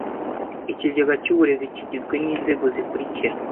Ikigega cy Uburezi kigizwe n inzego zikurikira